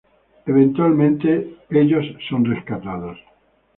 Eventualmente, ellos son rescatados.